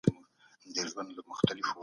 شپږ ديرش اوو ديرش اته ديرش نه ديرش څلويښت